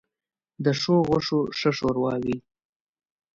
ـ د ښو غوښو ښه ښوروا وي.